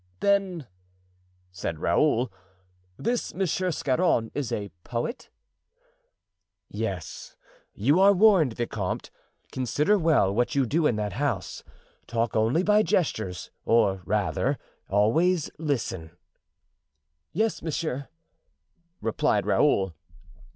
"Then," said Raoul, "this Monsieur Scarron is a poet?" "Yes; you are warned, vicomte. Consider well what you do in that house. Talk only by gestures, or rather always listen." "Yes, monsieur," replied Raoul.